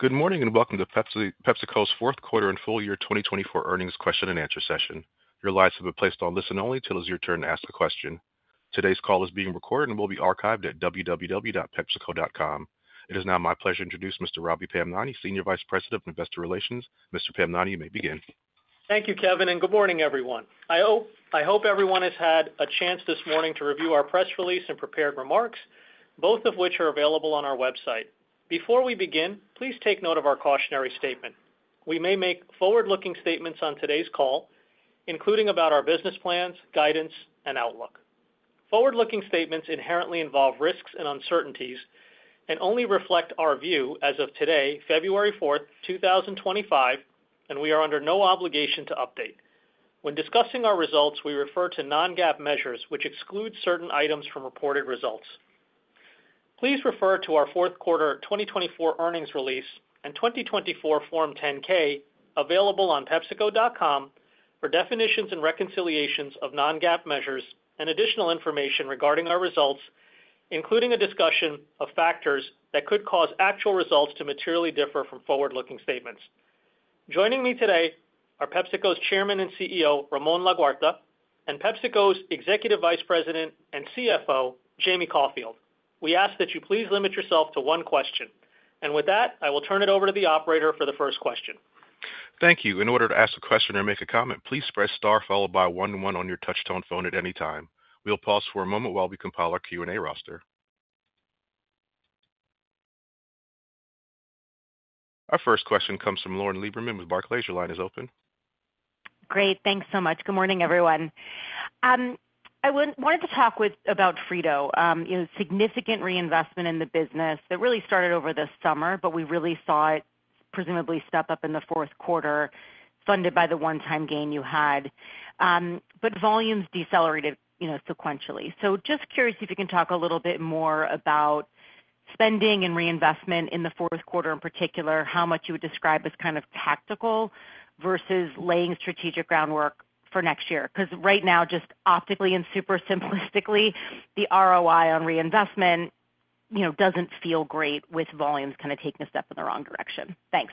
Good morning and welcome to PepsiCo's Q4 and full year 2024 earnings question and answer session. Your lines have been placed on listen only till it's your turn to ask a question. Today's call is being recorded and will be archived at www.pepsico.com. It is now my pleasure to introduce Mr. Ravi Pamnani, Senior Vice President of Investor Relations. Mr. Pamnani, you may begin. Thank you, Kevin, and good morning, everyone. I hope everyone has had a chance this morning to review our press release and prepared remarks, both of which are available on our website. Before we begin, please take note of our cautionary statement. We may make forward-looking statements on today's call, including about our business plans, guidance, and outlook. Forward-looking statements inherently involve risks and uncertainties and only reflect our view as of today, February 4th, 2025, and we are under no obligation to update. When discussing our results, we refer to non-GAAP measures, which exclude certain items from reported results. Please refer to our Q4 2024 earnings release and 2024 Form 10-K, available on PepsiCo.com for definitions and reconciliations of non-GAAP measures and additional information regarding our results, including a discussion of factors that could cause actual results to materially differ from forward-looking statements. Joining me today are PepsiCo's Chairman and CEO, Ramon Laguarta, and PepsiCo's Executive Vice President and CFO, Jamie Caulfield. We ask that you please limit yourself to one question, and with that, I will turn it over to the operator for the first question. Thank you. In order to ask a question or make a comment, please press star followed by one-one on your touch-tone phone at any time. We'll pause for a moment while we compile our Q&A roster. Our first question comes from Lauren Lieberman with Barclays. Your line is open. Great, thanks so much. Good morning, everyone. I wanted to talk about Frito, a significant reinvestment in the business that really started over the summer, but we really saw it presumably step up in the Q4, funded by the one-time gain you had. But volumes decelerated sequentially. So just curious if you can talk a little bit more about spending and reinvestment in the Q4 in particular, how much you would describe as kind of tactical versus laying strategic groundwork for next year. Because right now, just optically and super simplistically, the ROI on reinvestment doesn't feel great with volumes kind of taking a step in the wrong direction. Thanks.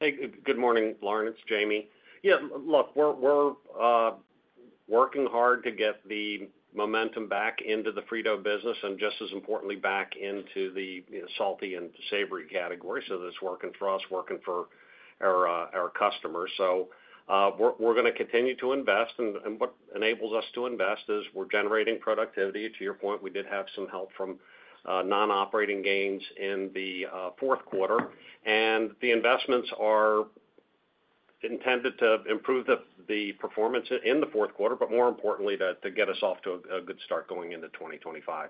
Good morning, Lauren. It's Jamie. Yeah, look, we're working hard to get the momentum back into the Frito business and, just as importantly, back into the salty and savory category. So that's working for us, working for our customers. So we're going to continue to invest, and what enables us to invest is we're generating productivity. To your point, we did have some help from non-operating gains in the Q4, and the investments are intended to improve the performance in the Q4, but more importantly, to get us off to a good start going into 2025.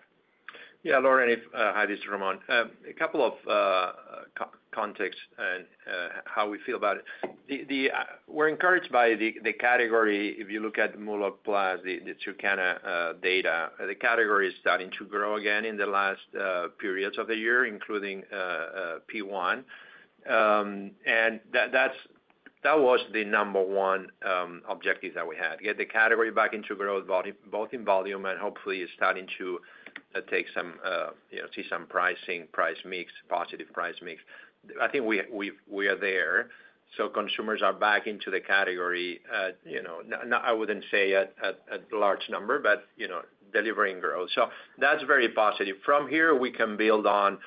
Lauren, and hi, this is Ramon. A couple of contexts and how we feel about it. We're encouraged by the category. If you look at MULO+, the Circana data, the category is starting to grow again in the last periods of the year, including P1. And that was the number one objective that we had: get the category back into growth, both in volume and hopefully starting to take some, see some pricing price mix, positive price mix. I think we are there. So consumers are back into the category. I wouldn't say a large number, but delivering growth. So that's very positive. From here, we can build on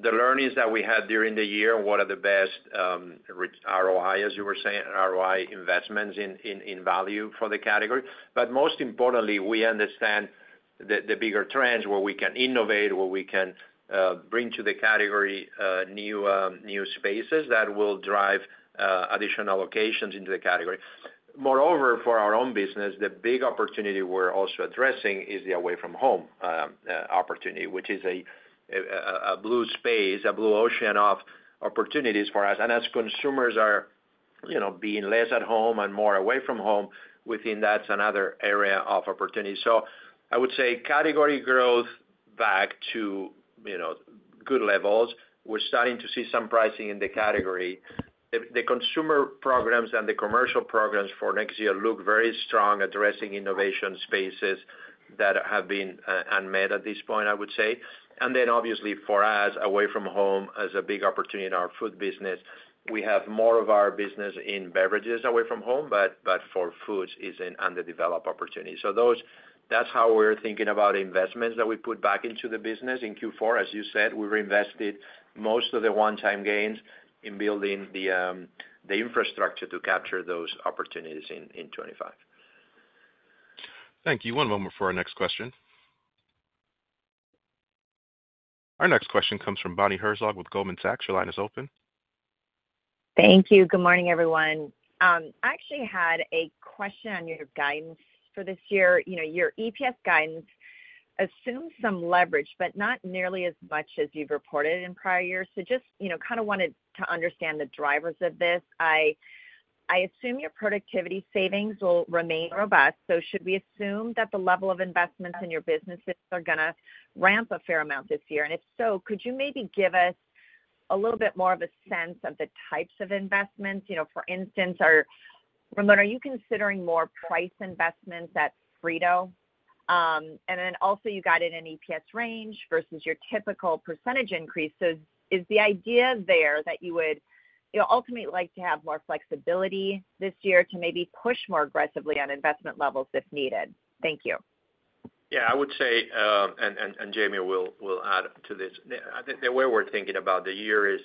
the learnings that we had during the year and what are the best ROI, as you were saying, ROI investments in value for the category. but most importantly, we understand the bigger trends where we can innovate, where we can bring to the category new spaces that will drive additional locations into the category. Moreover, for our own business, the big opportunity we're also addressing is the away-from-home opportunity, which is a blue space, a blue ocean of opportunities for us. And as consumers are being less at home and more away from home, within that's another area of opportunity. so I would say category growth back to good levels. We're starting to see some pricing in the category. The consumer programs and the commercial programs for next year look very strong, addressing innovation spaces that have been unmet at this point, I would say. and then, obviously, for us, away from home is a big opportunity in our food business. We have more of our business in beverages away from home, but for foods is an underdeveloped opportunity. So that's how we're thinking about investments that we put back into the business in Q4. As you said, we reinvested most of the one-time gains in building the infrastructure to capture those opportunities in 2025. Thank you. One moment for our next question. Our next question comes from Bonnie Herzog with Goldman Sachs. Your line is open. Thank you. Good morning, everyone. I actually had a question on your guidance for this year. Your EPS guidance assumes some leverage, but not nearly as much as you've reported in prior years. So just kind of wanted to understand the drivers of this. I assume your productivity savings will remain robust, so should we assume that the level of investments in your businesses are going to ramp a fair amount this year? And if so, could you maybe give us a little bit more of a sense of the types of investments? For instance, Ramon, are you considering more price investments at Frito? And then also, you guided an EPS range versus your typical percentage increase. So is the idea there that you would ultimately like to have more flexibility this year to maybe push more aggressively on investment levels if needed? Thank you. I would say, and Jamie will add to this, the way we're thinking about the year is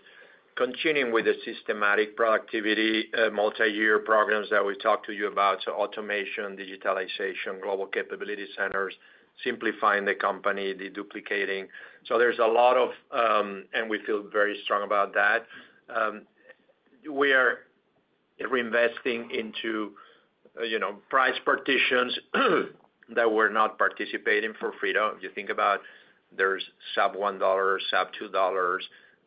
continuing with the systematic productivity multi-year programs that we've talked to you about, so automation, digitalization, global capability centers, simplifying the company, deduplicating, so there's a lot of, and we feel very strong about that. We are reinvesting into price partitions that we're not participating for Frito. If you think about, there's sub $1, sub $2.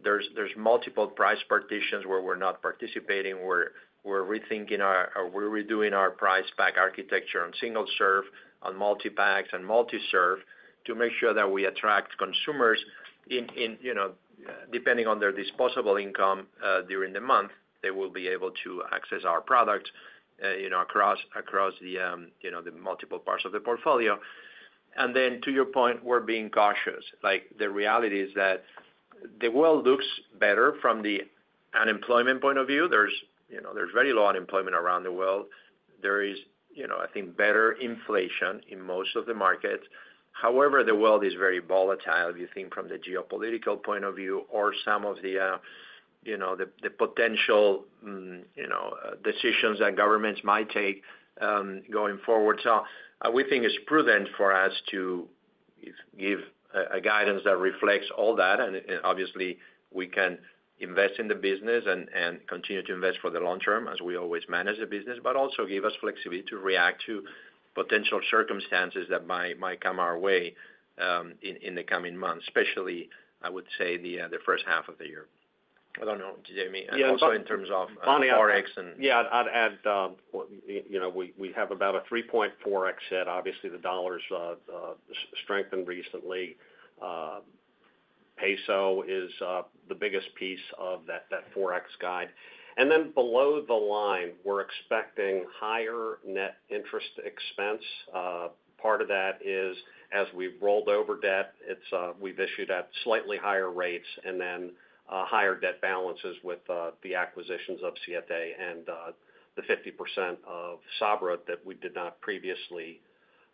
There's multiple price partitions where we're not participating. We're rethinking or we're redoing our price pack architecture on single-serve, on multi-packs, and multi-serve to make sure that we attract consumers in, depending on their disposable income during the month, they will be able to access our product across the multiple parts of the portfolio. And then, to your point, we're being cautious. The reality is that the world looks better from the unemployment point of view. There's very low unemployment around the world. There is, I think, better inflation in most of the markets. However, the world is very volatile, if you think from the geopolitical point of view or some of the potential decisions that governments might take going forward. So we think it's prudent for us to give a guidance that reflects all that. And obviously, we can invest in the business and continue to invest for the long term, as we always manage the business, but also give us flexibility to react to potential circumstances that might come our way in the coming months, especially, I would say, the first half of the year. I don't know, Jamie, also in terms of Forex. I'd add we have about a 3.4 point forex hit. Obviously, the dollar's strengthened recently. Peso is the biggest piece of that Forex guide, and then below the line, we're expecting higher net interest expense. Part of that is, as we've rolled over debt, we've issued at slightly higher rates and then higher debt balances with the acquisitions of Siete and the 50% of Sabra that we did not previously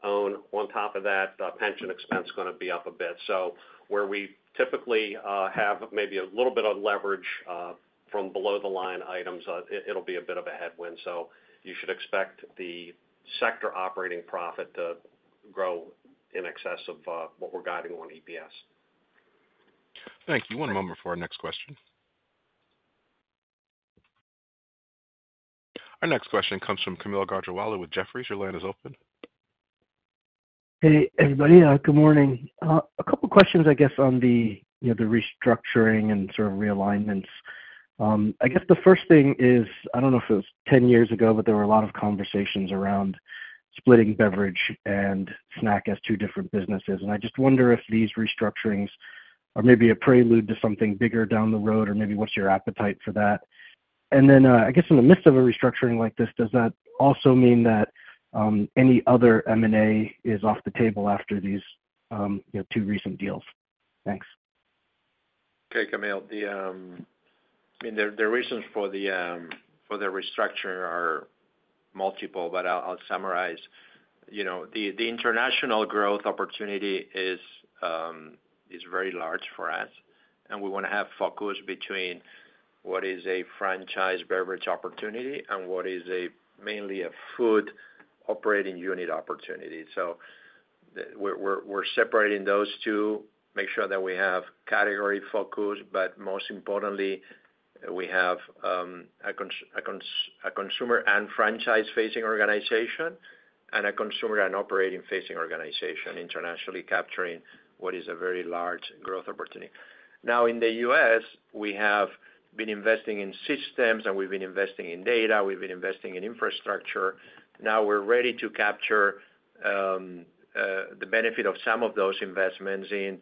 own. On top of that, pension expense is going to be up a bit, so where we typically have maybe a little bit of leverage from below the line items, it'll be a bit of a headwind, so you should expect the sector operating profit to grow in excess of what we're guiding on EPS. Thank you. One moment for our next question. Our next question comes from Kaumil Gajrawala with Jefferies. Your line is open. Hey, everybody. Good morning. A couple of questions, I guess, on the restructuring and sort of realignments. I guess the first thing is, I don't know if it was 10 years ago, but there were a lot of conversations around splitting beverage and snack as two different businesses. And I just wonder if these restructurings are maybe a prelude to something bigger down the road, or maybe what's your appetite for that? And then, I guess, in the midst of a restructuring like this, does that also mean that any other M&A is off the table after these two recent deals? Thanks. Okay, Camille. I mean, the reasons for the restructure are multiple, but I'll summarize. The international growth opportunity is very large for us, and we want to have focus between what is a franchise beverage opportunity and what is mainly a food operating unit opportunity. So we're separating those two, make sure that we have category focus, but most importantly, we have a consumer and franchise-facing organization and a consumer and operating-facing organization internationally capturing what is a very large growth opportunity. Now, in the U.S., we have been investing in systems, and we've been investing in data. We've been investing in infrastructure. Now we're ready to capture the benefit of some of those investments in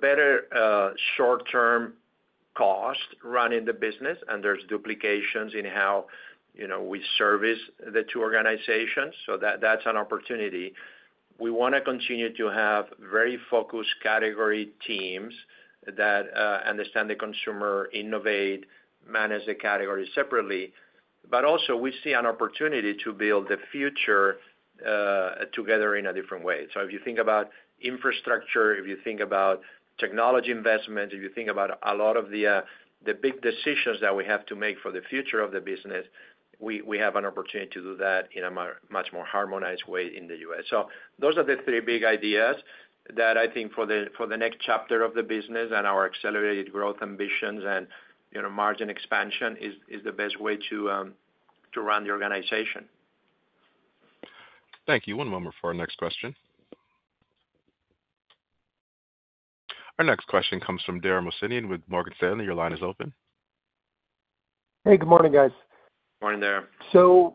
better short-term cost running the business. And there's duplications in how we service the two organizations. So that's an opportunity. We want to continue to have very focused category teams that understand the consumer, innovate, manage the category separately. But also, we see an opportunity to build the future together in a different way. So if you think about infrastructure, if you think about technology investments, if you think about a lot of the big decisions that we have to make for the future of the business, we have an opportunity to do that in a much more harmonized way in the U.S. So those are the three big ideas that I think for the next chapter of the business and our accelerated growth ambitions and margin expansion is the best way to run the organization. Thank you. One moment for our next question. Our next question comes from Dara Mohsenian with Morgan Stanley. Your line is open. Hey, good morning, guys. Good morning, there. So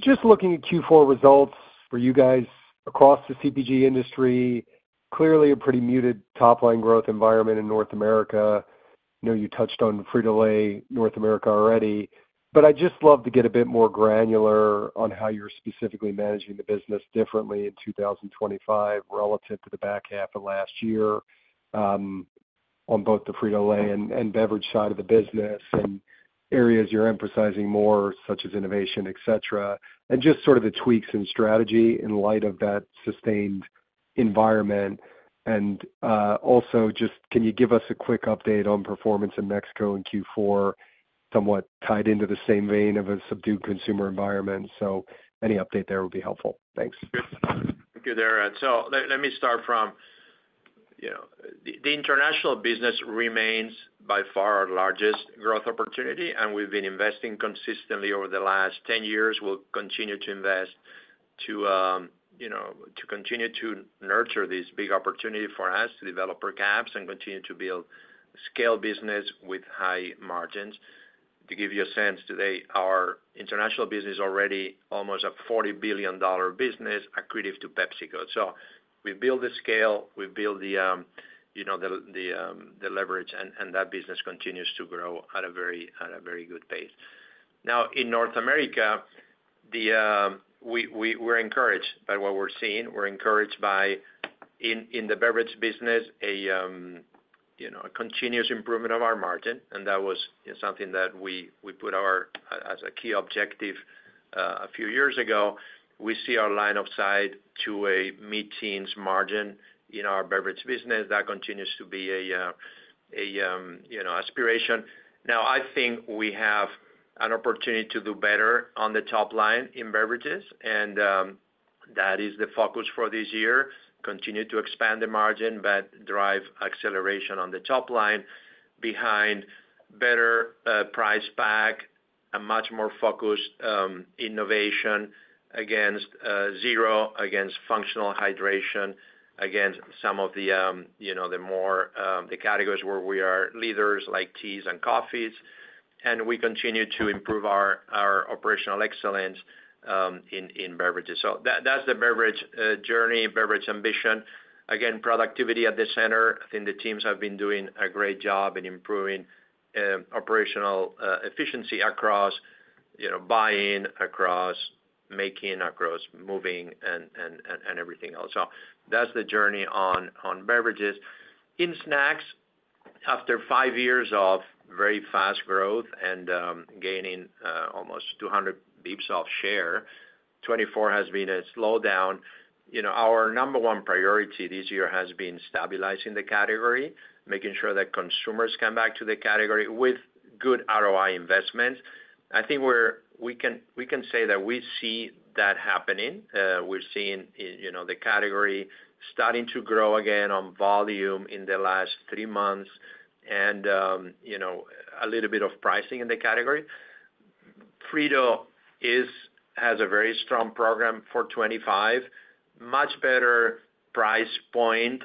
just looking at Q4 results for you guys across the CPG industry, clearly a pretty muted top-line growth environment in North America. I know you touched on Frito-Lay North America already, but I'd just love to get a bit more granular on how you're specifically managing the business differently in 2025 relative to the back half of last year on both the Frito-Lay and beverage side of the business and areas you're emphasizing more, such as innovation, etc., and just sort of the tweaks in strategy in light of that sustained environment. And also, just can you give us a quick update on performance in Mexico in Q4, somewhat tied into the same vein of a subdued consumer environment? So any update there would be helpful. Thanks. Thank you, Dara. So let me start from the international business remains by far our largest growth opportunity, and we've been investing consistently over the last 10 years. We'll continue to invest to continue to nurture this big opportunity for us to develop our caps and continue to build scale business with high margins. To give you a sense, today, our international business is already almost a $40 billion business, attributed to PepsiCo. So we build the scale, we build the leverage, and that business continues to grow at a very good pace. Now, in North America, we're encouraged by what we're seeing. We're encouraged by, in the beverage business, a continuous improvement of our margin, and that was something that we put as a key objective a few years ago. We see our line of sight to a mid-teens margin in our beverage business. That continues to be an aspiration. Now, I think we have an opportunity to do better on the top line in beverages, and that is the focus for this year: continue to expand the margin, but drive acceleration on the top line behind better price pack, a much more focused innovation against zero, against functional hydration, against some of the more the categories where we are leaders like teas and coffees. And we continue to improve our operational excellence in beverages. So that's the beverage journey, beverage ambition. Again, productivity at the center. I think the teams have been doing a great job in improving operational efficiency across buying, across making, across moving, and everything else. So that's the journey on beverages. In snacks, after five years of very fast growth and gaining almost 200 basis points of share, 2024 has been a slowdown. Our number one priority this year has been stabilizing the category, making sure that consumers come back to the category with good ROI investments. I think we can say that we see that happening. We're seeing the category starting to grow again on volume in the last three months and a little bit of pricing in the category. Frito has a very strong program for 2025, much better price point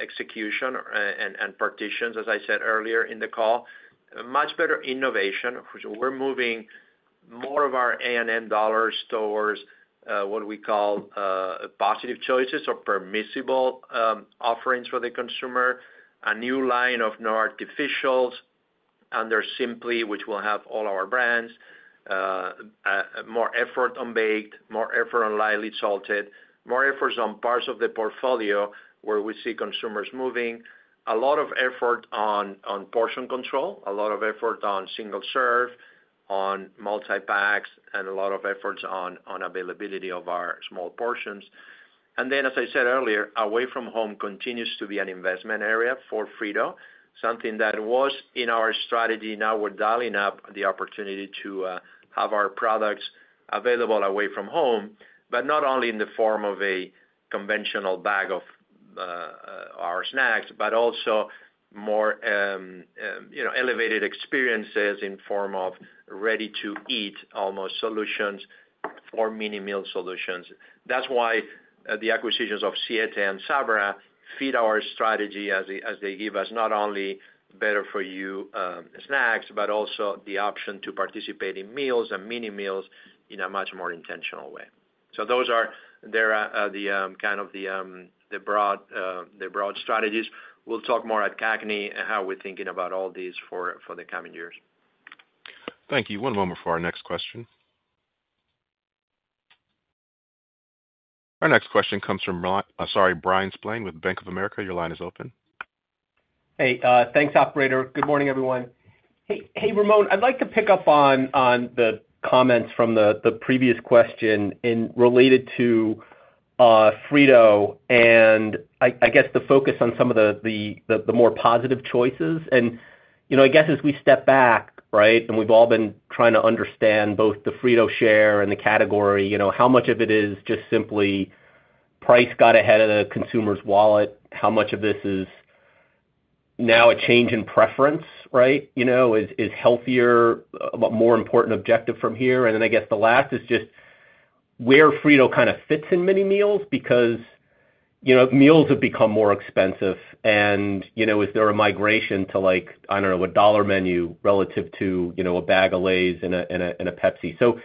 execution and partitions, as I said earlier in the call, much better innovation. We're moving more of our A&M dollars towards what we call positive choices or permissible offerings for the consumer, a new line of no artificials under Simply, which will have all our brands, more effort on baked, more effort on lightly salted, more efforts on parts of the portfolio where we see consumers moving, a lot of effort on portion control, a lot of effort on single-serve, on multi-packs, and a lot of efforts on availability of our small portions. And then, as I said earlier, away from home continues to be an investment area for Frito, something that was in our strategy. Now we're dialing up the opportunity to have our products available away from home, but not only in the form of a conventional bag of our snacks, but also more elevated experiences in form of ready-to-eat almost solutions or mini-meal solutions. That's why the acquisitions of Siete and Sabra feed our strategy as they give us not only better-for-you snacks, but also the option to participate in meals and mini-meals in a much more intentional way. So those are the kind of the broad strategies. We'll talk more at CAGNY and how we're thinking about all these for the coming years. Thank you. One moment for our next question. Our next question comes from, sorry, Bryan Spillane with Bank of America. Your line is open. Hey, thanks, operator. Good morning, everyone. Hey, Ramon. I'd like to pick up on the comments from the previous question related to Frito and, I guess, the focus on some of the more positive choices. And I guess as we step back, right, and we've all been trying to understand both the Frito share and the category, how much of it is just simply price got ahead of the consumer's wallet? How much of this is now a change in preference, right? Is healthier a more important objective from here? And then I guess the last is just where Frito kind of fits in mini-meals because meals have become more expensive. And is there a migration to, I don't know, a dollar menu relative to a bag of Lay's and a Pepsi? So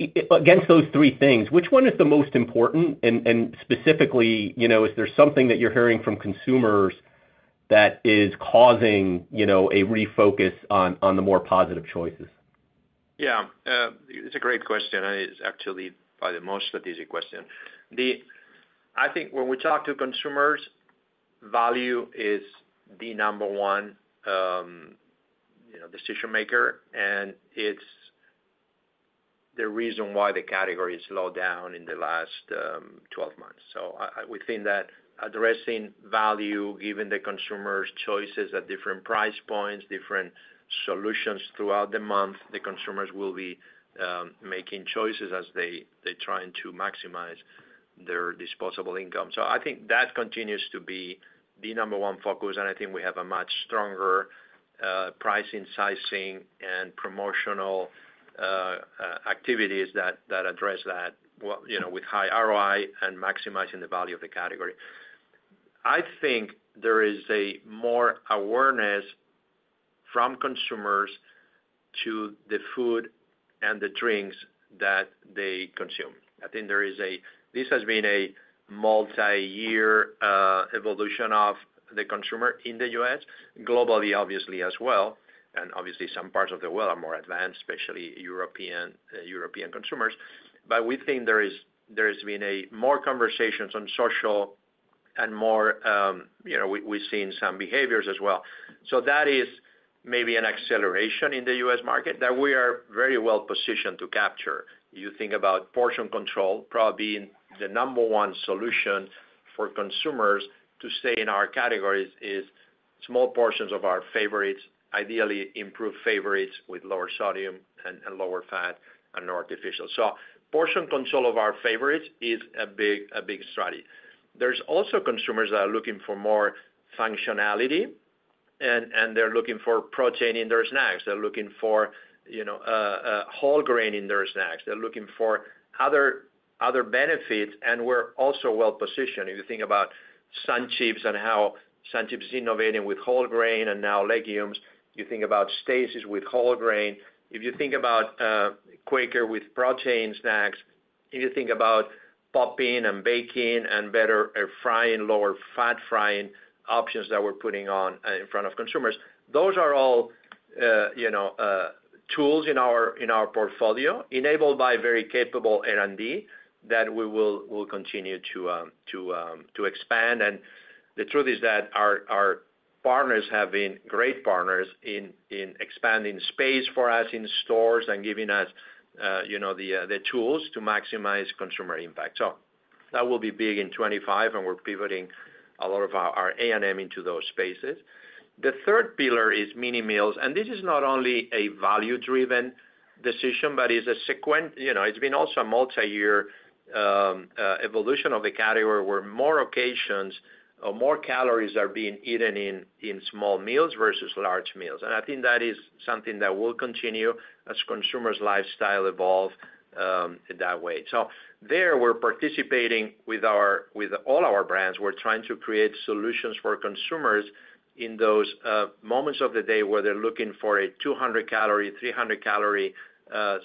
against those three things, which one is the most important? Specifically, is there something that you're hearing from consumers that is causing a refocus on the more positive choices? It's a great question. It's actually probably the most strategic question. I think when we talk to consumers, value is the number one decision maker, and it's the reason why the category is slowed down in the last 12 months. So we think that addressing value, giving the consumers choices at different price points, different solutions throughout the month, the consumers will be making choices as they're trying to maximize their disposable income. So I think that continues to be the number one focus, and I think we have a much stronger pricing, sizing, and promotional activities that address that with high ROI and maximizing the value of the category. I think there is more awareness from consumers to the food and the drinks that they consume. I think this has been a multi-year evolution of the consumer in the U.S., globally, obviously, as well. Obviously, some parts of the world are more advanced, especially European consumers. But we think there has been more conversations on social and more we've seen some behaviors as well. So that is maybe an acceleration in the US market that we are very well positioned to capture. You think about portion control, probably the number one solution for consumers to stay in our categories is small portions of our favorites, ideally improved favorites with lower sodium and lower fat and no artificial. So portion control of our favorites is a big strategy. There's also consumers that are looking for more functionality, and they're looking for protein in their snacks. They're looking for whole grain in their snacks. They're looking for other benefits, and we're also well positioned. If you think about Sun Chips and how Sun Chips is innovating with whole grain and now legumes, you think about Stacy's with whole grain. If you think about Quaker with protein snacks, if you think about popping and baking and better air frying, lower fat frying options that we're putting on in front of consumers, those are all tools in our portfolio enabled by very capable R&D that we will continue to expand, and the truth is that our partners have been great partners in expanding space for us in stores and giving us the tools to maximize consumer impact, so that will be big in 2025, and we're pivoting a lot of our A&M into those spaces. The third pillar is mini-meals, and this is not only a value-driven decision, but it's a sequence. It's been also a multi-year evolution of the category where more occasions or more calories are being eaten in small meals versus large meals. And I think that is something that will continue as consumers' lifestyle evolves that way. So there, we're participating with all our brands. We're trying to create solutions for consumers in those moments of the day where they're looking for a 200-calorie, 300-calorie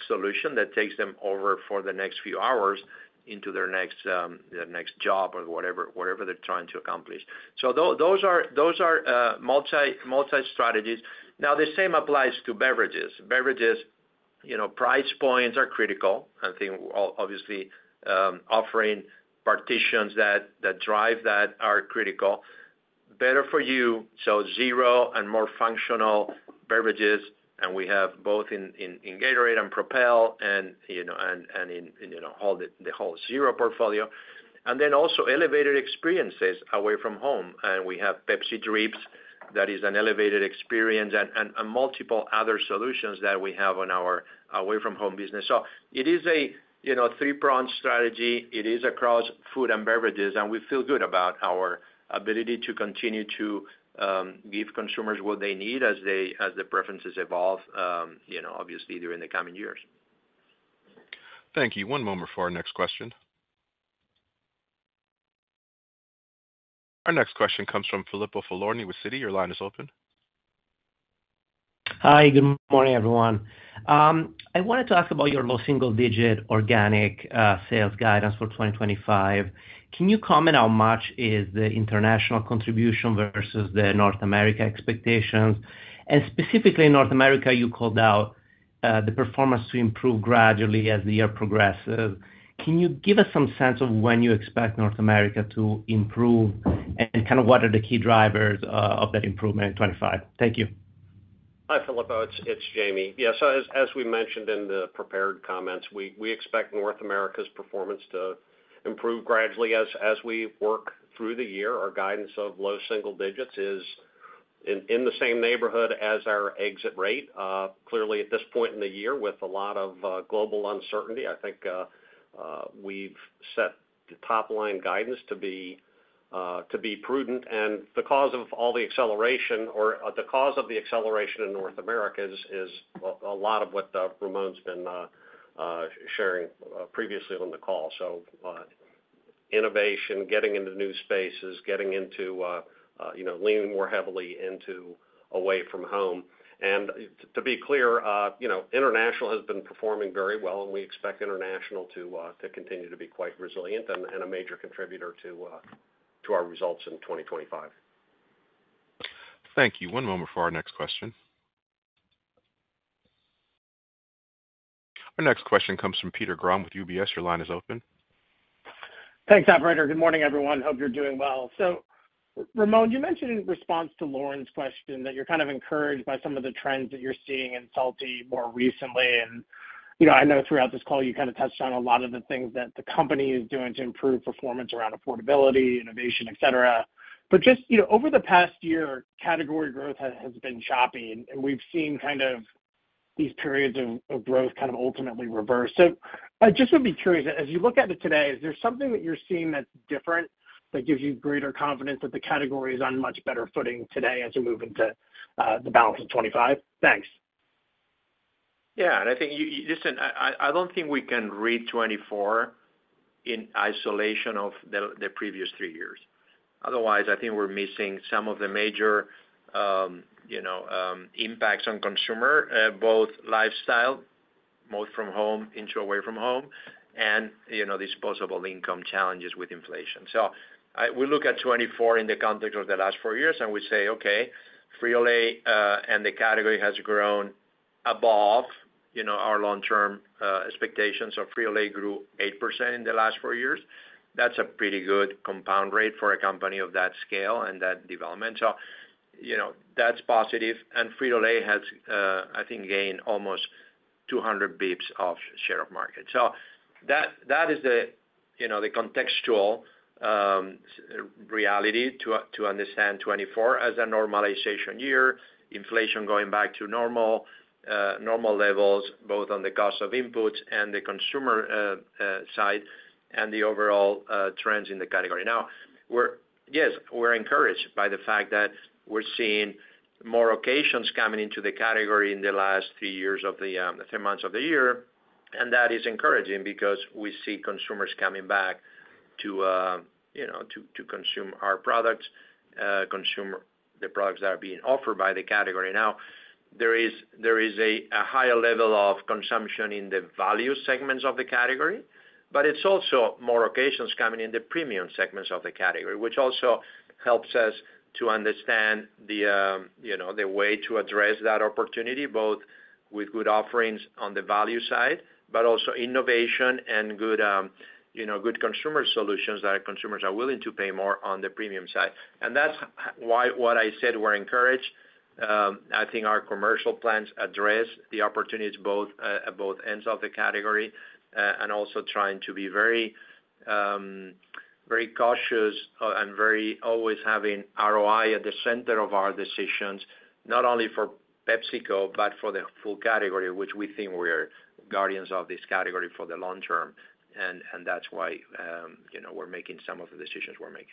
solution that takes them over for the next few hours into their next job or whatever they're trying to accomplish. So those are multi-strategies. Now, the same applies to beverages. Beverages' price points are critical. I think, obviously, offering portions that drive that are critical. Better-for-you, so zero and more functional beverages, and we have both in Gatorade and Propel and in the whole zero portfolio. And then also elevated experiences away from home. And we have Pepsi drafts. That is an elevated experience and multiple other solutions that we have on our away-from-home business. So it is a three-pronged strategy. It is across food and beverages, and we feel good about our ability to continue to give consumers what they need as the preferences evolve, obviously, during the coming years. Thank you. One moment for our next question. Our next question comes from Filippo Falorni with Citi. Your line is open. Hi. Good morning, everyone. I want to talk about your low single-digit organic sales guidance for 2025. Can you comment on how much is the international contribution versus the North America expectations? Specifically, in North America, you called out the performance to improve gradually as the year progresses. Can you give us some sense of when you expect North America to improve and kind of what are the key drivers of that improvement in 2025? Thank you. Hi, Filippo. It's Jamie. Yeah. So as we mentioned in the prepared comments, we expect North America's performance to improve gradually as we work through the year. Our guidance of low single digits is in the same neighborhood as our exit rate. Clearly, at this point in the year, with a lot of global uncertainty, I think we've set the top-line guidance to be prudent. And the cause of all the acceleration or the cause of the acceleration in North America is a lot of what Ramon's been sharing previously on the call. So innovation, getting into new spaces, getting into leaning more heavily into away from home. And to be clear, International has been performing very well, and we expect International to continue to be quite resilient and a major contributor to our results in 2025. Thank you. One moment for our next question. Our next question comes from Peter Grom with UBS. Your line is open. Thanks, operator. Good morning, everyone. Hope you're doing well. So Ramon, you mentioned in response to Lauren's question that you're kind of encouraged by some of the trends that you're seeing in salty more recently. And I know throughout this call, you kind of touched on a lot of the things that the company is doing to improve performance around affordability, innovation, etc. But just over the past year, category growth has been choppy, and we've seen kind of these periods of growth kind of ultimately reverse. So I just would be curious, as you look at it today, is there something that you're seeing that's different that gives you greater confidence that the category is on much better footing today as you move into the balance of 2025? Thanks. I think listen, I don't think we can read 2024 in isolation of the previous three years. Otherwise, I think we're missing some of the major impacts on consumer, both lifestyle, move from home into away from home, and disposable income challenges with inflation. So we look at 2024 in the context of the last four years, and we say, "Okay, Frito-Lay, and the category has grown above our long-term expectations." So Frito-Lay grew 8% in the last four years. That's a pretty good compound rate for a company of that scale and that development. So that's positive. And Frito-Lay has, I think, gained almost 200 basis points of share of market. So that is the contextual reality to understand 2024 as a normalization year, inflation going back to normal levels, both on the cost of inputs and the consumer side, and the overall trends in the category. Now, yes, we're encouraged by the fact that we're seeing more occasions coming into the category in the last three years of the three months of the year. And that is encouraging because we see consumers coming back to consume our products, consume the products that are being offered by the category. Now, there is a higher level of consumption in the value segments of the category, but it's also more occasions coming in the premium segments of the category, which also helps us to understand the way to address that opportunity, both with good offerings on the value side, but also innovation and good consumer solutions that consumers are willing to pay more on the premium side. And that's why what I said, we're encouraged. I think our commercial plans address the opportunities both ends of the category and also trying to be very cautious and always having ROI at the center of our decisions, not only for PepsiCo, but for the full category, which we think we're guardians of this category for the long term. And that's why we're making some of the decisions we're making.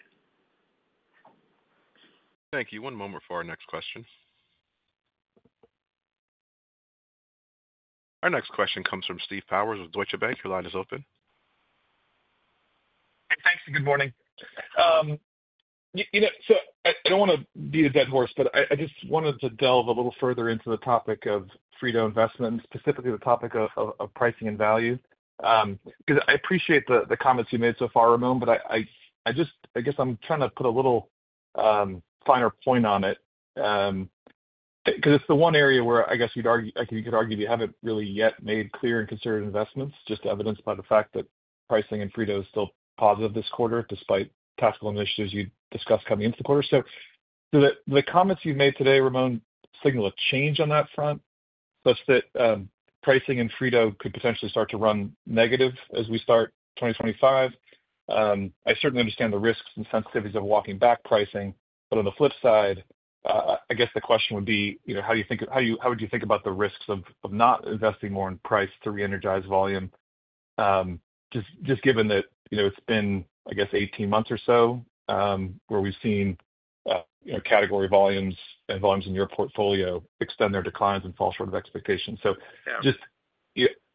Thank you. One moment for our next question. Our next question comes from Steve Powers with Deutsche Bank. Your line is open. Hey, thanks. Good morning. So I don't want to beat a dead horse, but I just wanted to delve a little further into the topic of Frito investment and specifically the topic of pricing and value because I appreciate the comments you made so far, Ramon, but I guess I'm trying to put a little finer point on it because it's the one area where I guess you could argue you haven't really yet made clear and considered investments, just evidenced by the fact that pricing in Frito is still positive this quarter despite tactical initiatives you discussed coming into the quarter. So the comments you've made today, Ramon, signal a change on that front such that pricing in Frito could potentially start to run negative as we start 2025. I certainly understand the risks and sensitivities of walking back pricing, but on the flip side, I guess the question would be, how would you think about the risks of not investing more in price to re-energize volume, just given that it's been, I guess, 18 months or so where we've seen category volumes and volumes in your portfolio extend their declines and fall short of expectations? So just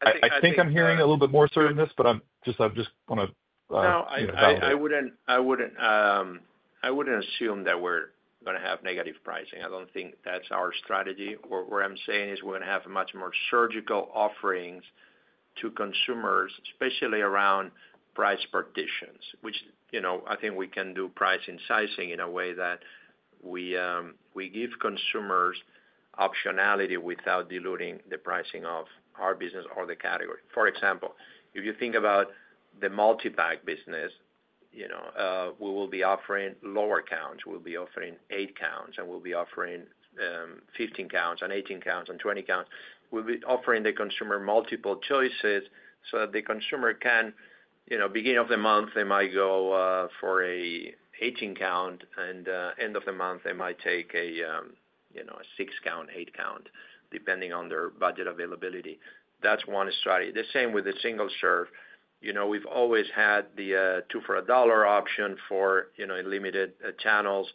I think I'm hearing a little bit more certain in this, but I just want to. No, I wouldn't assume that we're going to have negative pricing. I don't think that's our strategy. What I'm saying is we're going to have much more surgical offerings to consumers, especially around price partitions, which I think we can do pricing sizing in a way that we give consumers optionality without diluting the pricing of our business or the category. For example, if you think about the multi-bag business, we will be offering lower counts. We'll be offering eight counts, and we'll be offering 15 counts and 18 counts and 20 counts. We'll be offering the consumer multiple choices so that the consumer can begin of the month, they might go for an 18-count, and end of the month, they might take a six-count, eight-count, depending on their budget availability. That's one strategy. The same with the single-serve. We've always had the two-for-a-dollar option for limited channels.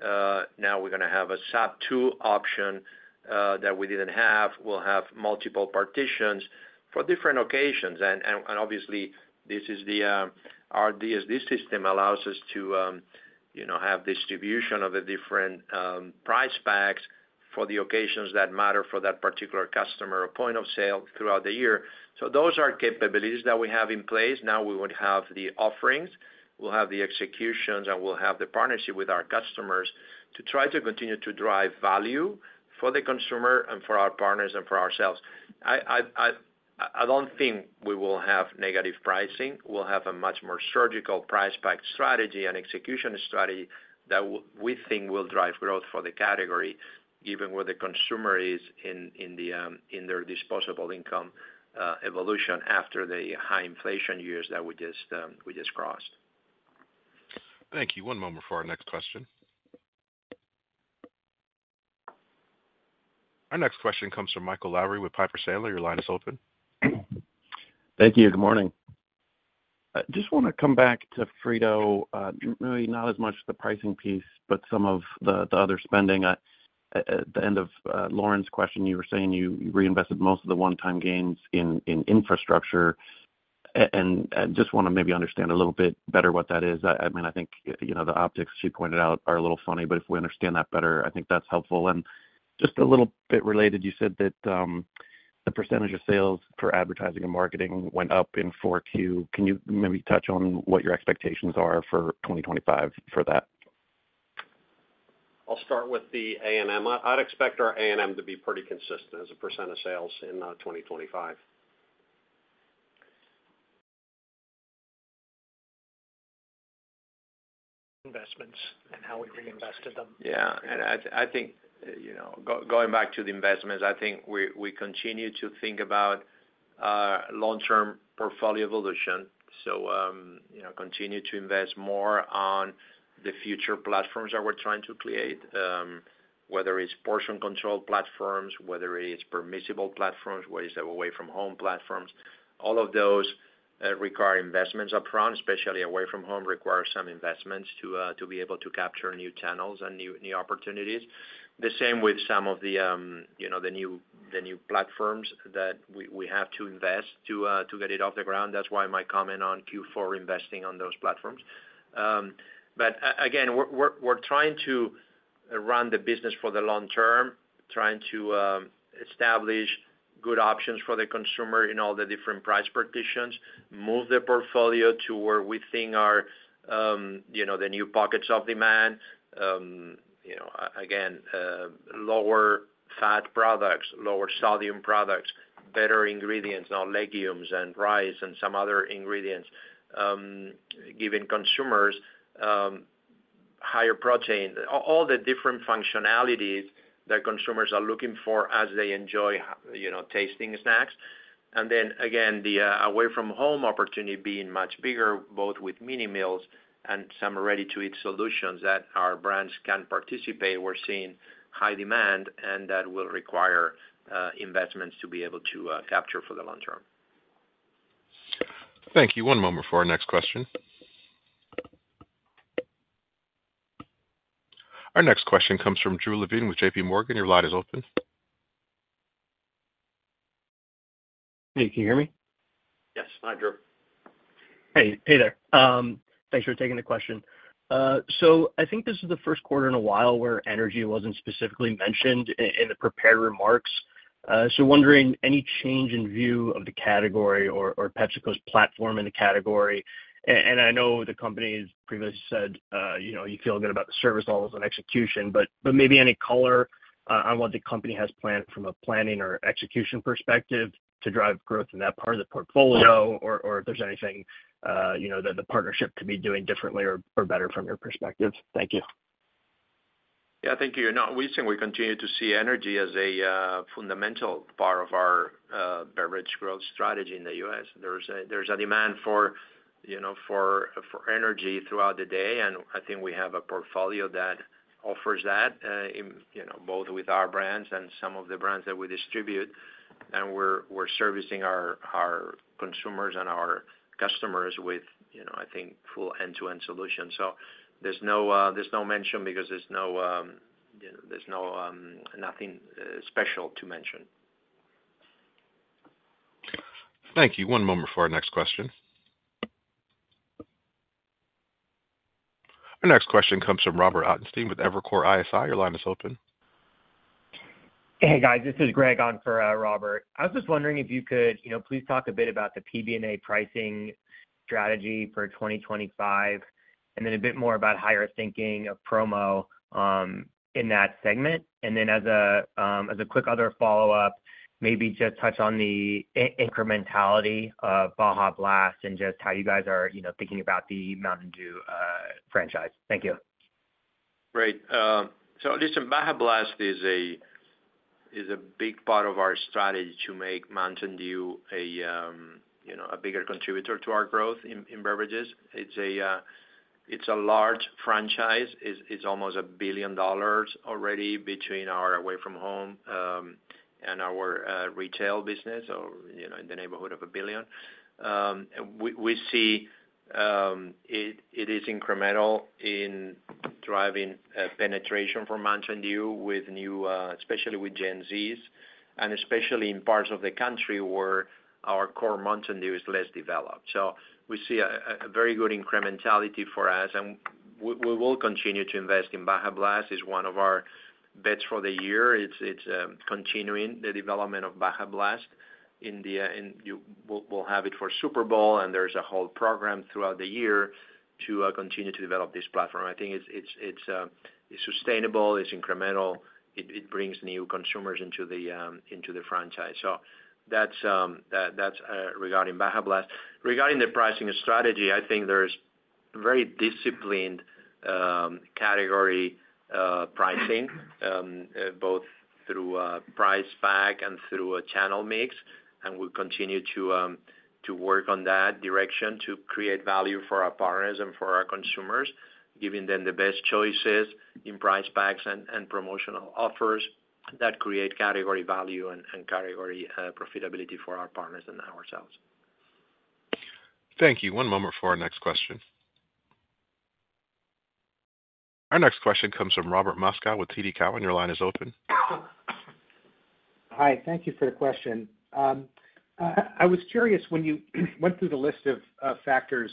Now we're going to have a sub-$2 option that we didn't have. We'll have multiple partitions for different occasions. And obviously, this is the DSD system allows us to have distribution of the different price packs for the occasions that matter for that particular customer or point of sale throughout the year. So those are capabilities that we have in place. Now we would have the offerings. We'll have the executions, and we'll have the partnership with our customers to try to continue to drive value for the consumer and for our partners and for ourselves. I don't think we will have negative pricing. We'll have a much more surgical price pack strategy and execution strategy that we think will drive growth for the category, given where the consumer is in their disposable income evolution after the high inflation years that we just crossed. Thank you. One moment for our next question. Our next question comes from Michael Lavery with Piper Sandler. Your line is open. Thank you. Good morning. Just want to come back to Frito, really not as much the pricing piece, but some of the other spending. At the end of Lauren's question, you were saying you reinvested most of the one-time gains in infrastructure. Just want to maybe understand a little bit better what that is. I mean, I think the optics she pointed out are a little funny, but if we understand that better, I think that's helpful. Just a little bit related, you said that the percentage of sales for advertising and marketing went up in 2024. Can you maybe touch on what your expectations are for 2025 for that? I'll start with the A&M. I'd expect our A&M to be pretty consistent as percent of sales in 2025. Investments and how we reinvested them. I think going back to the investments, I think we continue to think about our long-term portfolio evolution. So continue to invest more on the future platforms that we're trying to create, whether it's portion-controlled platforms, whether it's permissible platforms, whether it's away-from-home platforms. All of those require investments upfront, especially away-from-home requires some investments to be able to capture new channels and new opportunities. The same with some of the new platforms that we have to invest to get it off the ground. That's why my comment on Q4 investing on those platforms. But again, we're trying to run the business for the long term, trying to establish good options for the consumer in all the different price partitions, move the portfolio to where we think are the new pockets of demand. Again, lower fat products, lower sodium products, better ingredients, now legumes and rice and some other ingredients, giving consumers higher protein, all the different functionalities that consumers are looking for as they enjoy tasting snacks, and then again, the away-from-home opportunity being much bigger, both with mini meals and some ready-to-eat solutions that our brands can participate. We're seeing high demand and that will require investments to be able to capture for the long term. Thank you. One moment for our next question. Our next question comes from Drew Levine with JPMorgan. Your line is open. Can you hear me? Yes. Hi, Drew. Thanks for taking the question. So, I think this is the Q1 in a while where energy wasn't specifically mentioned in the prepared remarks. So, wondering any change in view of the category or PepsiCo's platform in the category. And, I know the company has previously said you feel good about the service levels and execution, but maybe any color on what the company has planned from a planning or execution perspective to drive growth in that part of the portfolio or if there's anything that the partnership could be doing differently or better from your perspective. Thank you. Thank you. We think we continue to see energy as a fundamental part of our beverage growth strategy in the U.S. There's a demand for energy throughout the day, and I think we have a portfolio that offers that both with our brands and some of the brands that we distribute, and we're servicing our consumers and our customers with, I think, full end-to-end solutions, so there's no mention because there's nothing special to mention. Thank you. One moment for our next question. Our next question comes from Robert Ottenstein with Evercore ISI. Your line is open. Hey, guys. This is Greg on for Robert. I was just wondering if you could please talk a bit about the PB&A pricing strategy for 2025 and then a bit more about higher thinking of promo in that segment. And then as a quick other follow-up, maybe just touch on the incrementality of Baja Blast and just how you guys are thinking about the Mountain Dew franchise. Thank you. Great. So listen, Baja Blast is a big part of our strategy to make Mountain Dew a bigger contributor to our growth in beverages. It's a large franchise. It's almost $1 billion already between our away-from-home and our retail business, so in the neighborhood of $1 billion. We see it is incremental in driving penetration for Mountain Dew, especially with Gen Zs and especially in parts of the country where our core Mountain Dew is less developed. So we see a very good incrementality for us, and we will continue to invest in Baja Blast. It's one of our bets for the year. It's continuing the development of Baja Blast. We'll have it for Super Bowl, and there's a whole program throughout the year to continue to develop this platform. I think it's sustainable. It's incremental. It brings new consumers into the franchise. So that's regarding Baja Blast. Regarding the pricing strategy, I think there's very disciplined category pricing, both through price pack and through a channel mix. And we'll continue to work on that direction to create value for our partners and for our consumers, giving them the best choices in price packs and promotional offers that create category value and category profitability for our partners and ourselves. Thank you. One moment for our next question. Our next question comes from Robert Moskow with TD Cowen. Your line is open. Hi. Thank you for the question. I was curious when you went through the list of factors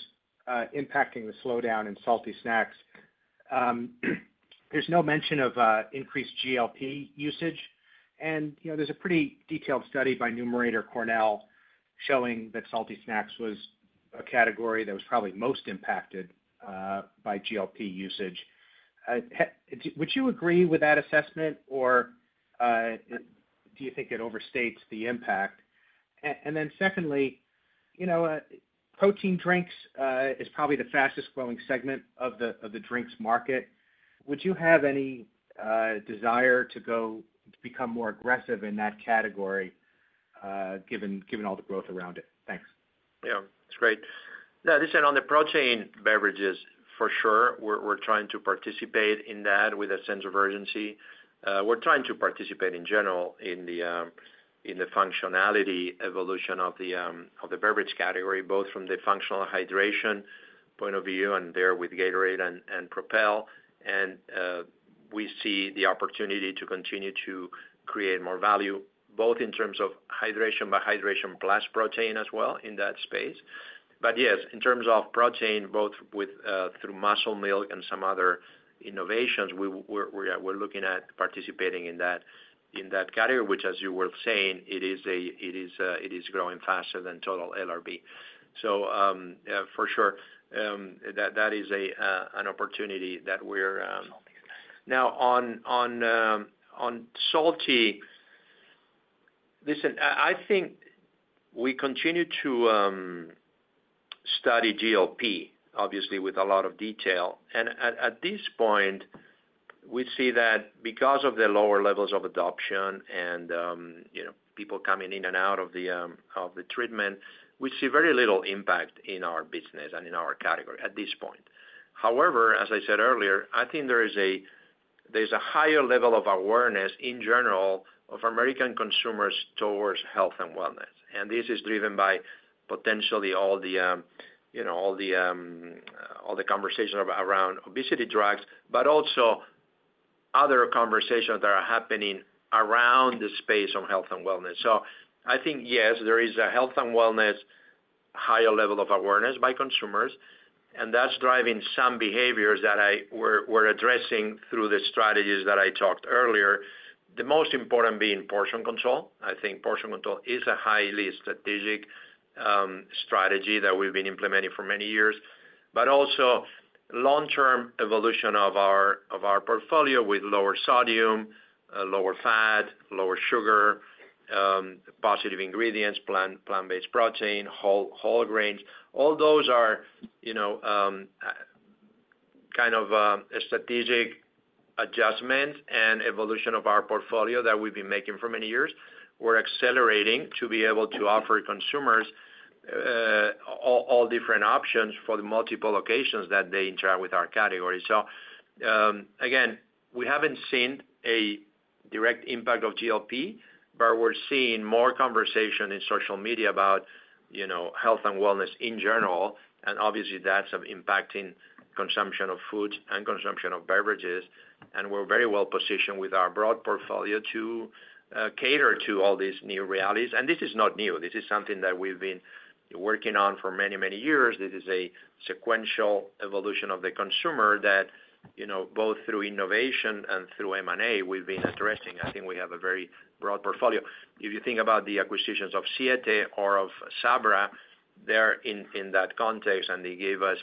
impacting the slowdown in salty snacks, there's no mention of increased GLP usage. And there's a pretty detailed study by Numerator Cornell showing that salty snacks was a category that was probably most impacted by GLP usage. Would you agree with that assessment, or do you think it overstates the impact? And then secondly, protein drinks is probably the fastest-growing segment of the drinks market. Would you have any desire to go become more aggressive in that category given all the growth around it? Thanks. That's great. Listen, on the protein beverages, for sure, we're trying to participate in that with a sense of urgency. We're trying to participate in general in the functionality evolution of the beverage category, both from the functional hydration point of view and there with Gatorade and Propel, and we see the opportunity to continue to create more value, both in terms of hydration by hydration plus protein as well in that space, but yes, in terms of protein, both through Muscle Milk and some other innovations, we're looking at participating in that category, which, as you were saying, it is growing faster than total LRB. So for sure, that is an opportunity that we're. Now, on salty, listen, I think we continue to study GLP, obviously, with a lot of detail. At this point, we see that because of the lower levels of adoption and people coming in and out of the treatment, we see very little impact in our business and in our category at this point. However, as I said earlier, I think there's a higher level of awareness in general of American consumers towards health and wellness. And this is driven by potentially all the conversation around obesity drugs, but also other conversations that are happening around the space on health and wellness. So I think, yes, there is a health and wellness higher level of awareness by consumers, and that's driving some behaviors that we're addressing through the strategies that I talked earlier, the most important being portion control. I think portion control is a highly strategic strategy that we've been implementing for many years, but also long-term evolution of our portfolio with lower sodium, lower fat, lower sugar, positive ingredients, plant-based protein, whole grains. All those are kind of strategic adjustments and evolution of our portfolio that we've been making for many years. We're accelerating to be able to offer consumers all different options for the multiple locations that they interact with our category, so again, we haven't seen a direct impact of GLP, but we're seeing more conversation in social media about health and wellness in general, and obviously, that's impacting consumption of foods and consumption of beverages, and we're very well positioned with our broad portfolio to cater to all these new realities, and this is not new. This is something that we've been working on for many, many years. This is a sequential evolution of the consumer that both through innovation and through M&A, we've been addressing. I think we have a very broad portfolio. If you think about the acquisitions of Siete or of Sabra, they're in that context, and they give us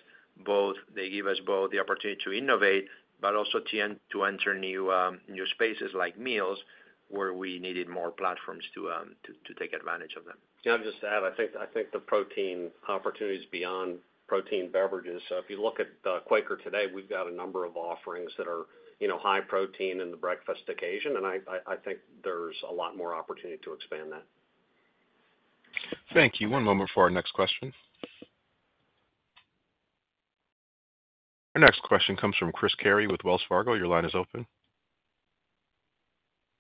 both the opportunity to innovate, but also to enter new spaces like meals where we needed more platforms to take advantage of them. Just to add, I think the protein opportunity is beyond protein beverages. So if you look at the Quaker today, we've got a number of offerings that are high protein in the breakfast occasion, and I think there's a lot more opportunity to expand that. Thank you. One moment for our next question. Our next question comes from Chris Carey with Wells Fargo. Your line is open.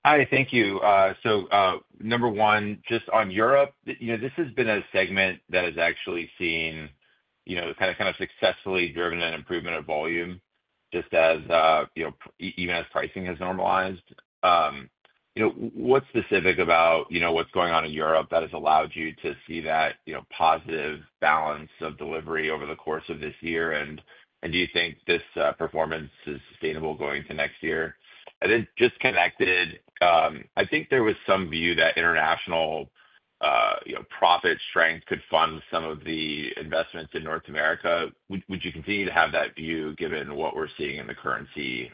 Hi. Thank you. So number one, just on Europe, this has been a segment that has actually seen kind of successfully driven an improvement of volume just even as pricing has normalized. What's specific about what's going on in Europe that has allowed you to see that positive balance of delivery over the course of this year? And do you think this performance is sustainable going into next year? And then just connected, I think there was some view that international profit strength could fund some of the investments in North America. Would you continue to have that view given what we're seeing in the currency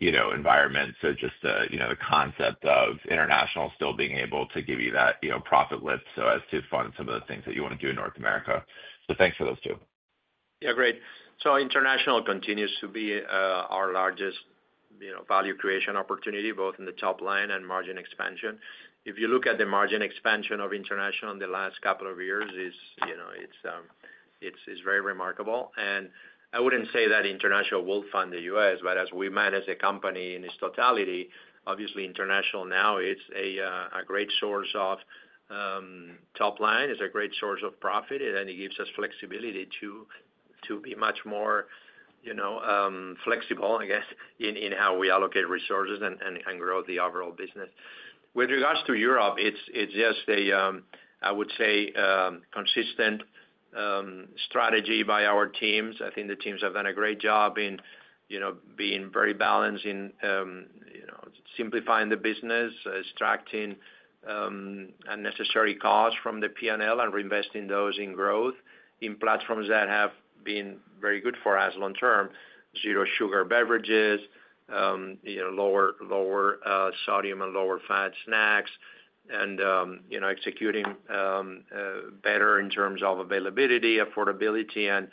environment? So just the concept of international still being able to give you that profit lift so as to fund some of the things that you want to do in North America. So thanks for those two. Great. So international continues to be our largest value creation opportunity, both in the top line and margin expansion. If you look at the margin expansion of international in the last couple of years, it's very remarkable. And I wouldn't say that international will fund the U.S., but as we manage the company in its totality, obviously, international now is a great source of top line, is a great source of profit, and it gives us flexibility to be much more flexible, I guess, in how we allocate resources and grow the overall business. With regards to Europe, it's just a, I would say, consistent strategy by our teams. I think the teams have done a great job in being very balanced in simplifying the business, extracting unnecessary costs from the P&L, and reinvesting those in growth in platforms that have been very good for us long-term, zero sugar beverages, lower sodium and lower fat snacks, and executing better in terms of availability, affordability, and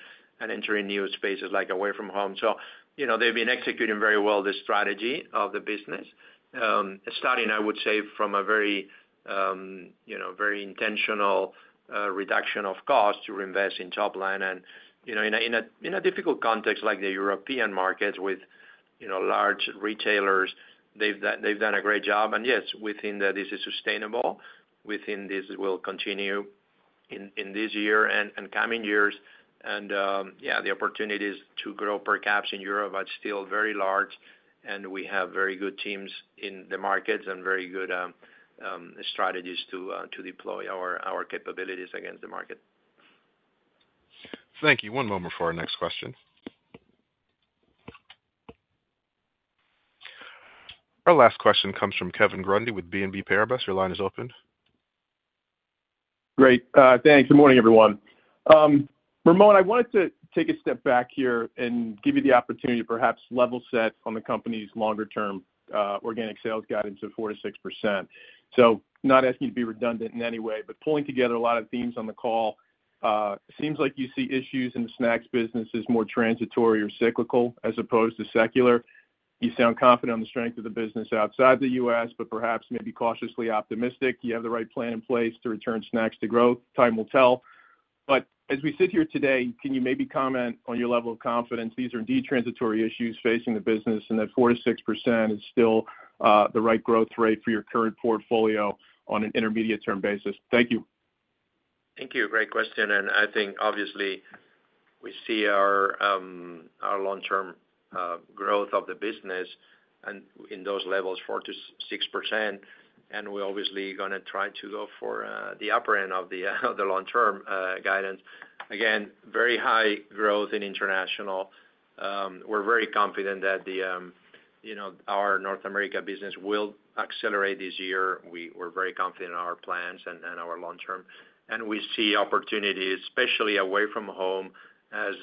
entering new spaces like away from home. So they've been executing very well this strategy of the business, starting, I would say, from a very intentional reduction of cost to reinvest in top line. And in a difficult context like the European markets with large retailers, they've done a great job. And yes, within that, this is sustainable. Within this, we'll continue in this year and coming years. The opportunities to grow per caps in Europe are still very large, and we have very good teams in the markets and very good strategies to deploy our capabilities against the market. Thank you. One moment for our next question. Our last question comes from Kevin Grundy with BNP Paribas. Your line is open. Great. Thanks. Good morning, everyone. Ramon, I wanted to take a step back here and give you the opportunity to perhaps level set on the company's longer-term organic sales guidance of 4% to 6%. So not asking you to be redundant in any way, but pulling together a lot of themes on the call. It seems like you see issues in the snacks business as more transitory or cyclical as opposed to secular. You sound confident on the strength of the business outside the U.S., but perhaps maybe cautiously optimistic. You have the right plan in place to return snacks to growth. Time will tell. But as we sit here today, can you maybe comment on your level of confidence? These are indeed transitory issues facing the business, and that 4% to 6% is still the right growth rate for your current portfolio on an intermediate-term basis. Thank you. Thank you. Great question. And I think, obviously, we see our long-term growth of the business in those levels, 4%-6%, and we're obviously going to try to go for the upper end of the long-term guidance. Again, very high growth in international. We're very confident that our North America business will accelerate this year. We're very confident in our plans and our long-term. And we see opportunities, especially away from home, as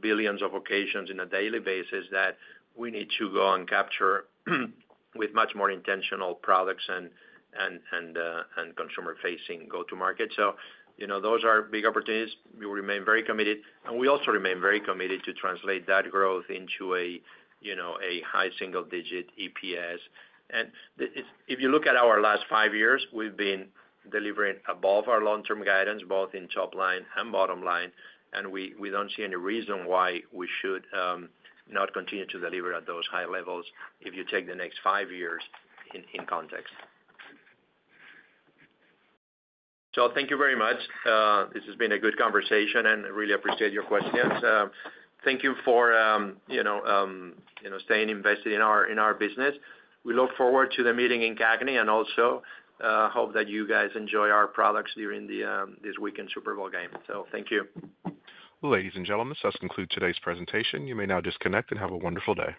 billions of occasions on a daily basis that we need to go and capture with much more intentional products and consumer-facing go-to-market. So those are big opportunities. We remain very committed, and we also remain very committed to translate that growth into a high single-digit EPS. And if you look at our last five years, we've been delivering above our long-term guidance, both in top line and bottom line, and we don't see any reason why we should not continue to deliver at those high levels if you take the next five years in context. So thank you very much. This has been a good conversation, and I really appreciate your questions. Thank you for staying invested in our business. We look forward to the meeting in CAGNY and also hope that you guys enjoy our products during this weekend Super Bowl game. So thank you. Ladies and gentlemen, this does conclude today's presentation. You may now disconnect and have a wonderful day.